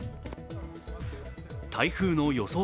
台風の予想